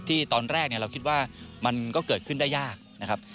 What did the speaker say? ตอนแรกเราคิดว่ามันก็เกิดขึ้นได้ยากนะครับ